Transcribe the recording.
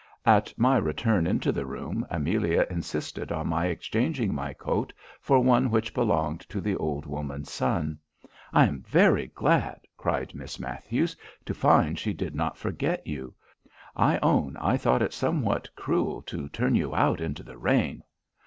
"At my return into the room, Amelia insisted on my exchanging my coat for one which belonged to the old woman's son." "I am very glad," cried Miss Matthews, "to find she did not forget you. I own I thought it somewhat cruel to turn you out into the rain."